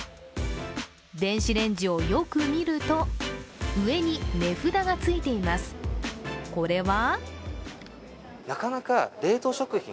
電子レンジをよく見ると上に値札がついています、これは？